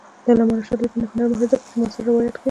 د علامه رشاد لیکنی هنر مهم دی ځکه چې معاصر روایت کوي.